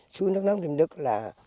xuống đất nước triêm đức là